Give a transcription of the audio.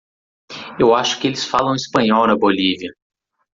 Eu acho que eles falam espanhol na Bolívia.